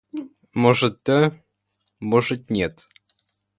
Может, да, может, нет.